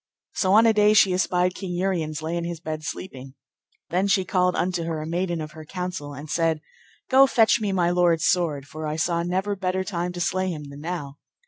So on a day she espied King Uriens lay in his bed sleeping. Then she called unto her a maiden of her counsel, and said, Go fetch me my lord's sword, for I saw never better time to slay him than now.